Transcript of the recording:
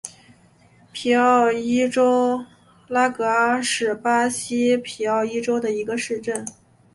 皮奥伊州拉戈阿是巴西皮奥伊州的一个市镇。